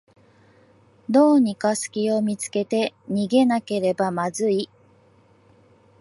どうにかすきを見つけて逃げなければまずい